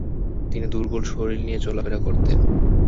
তিনি দূর্বল শরীর নিয়ে চলাফেরা করতেন।